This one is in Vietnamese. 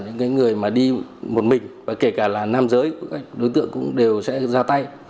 những người đi một mình kể cả là nam giới đối tượng cũng đều sẽ ra tay